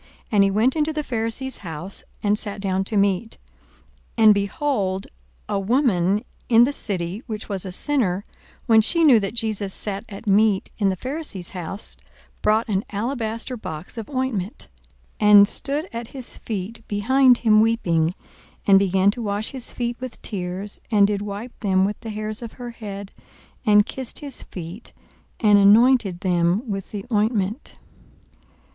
And he went into the Pharisee's house, and sat down to meat. 42:007:037 And, behold, a woman in the city, which was a sinner, when she knew that Jesus sat at meat in the Pharisee's house, brought an alabaster box of ointment, 42:007:038 And stood at his feet behind him weeping, and began to wash his feet with tears, and did wipe them with the hairs of her head, and kissed his feet, and anointed them with the ointment.